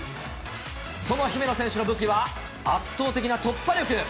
その姫野選手の武器は、圧倒的な突破力。